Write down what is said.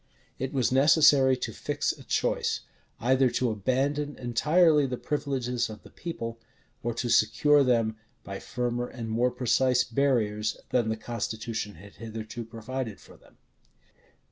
It was necessary to fix a choice; either to abandon entirely the privileges of the people, or to secure them by firmer and more precise barriers than the constitution had hitherto provided for them.